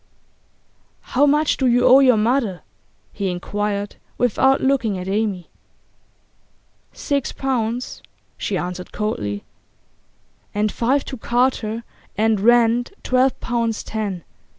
'How much do you owe your mother?' he inquired, without looking at Amy. 'Six pounds,' she answered coldly. 'And five to Carter; and rent, twelve pounds ten.